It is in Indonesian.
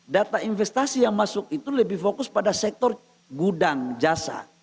data investasi yang masuk itu lebih fokus pada sektor gudang jasa